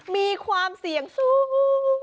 มีความเสี่ยงสูง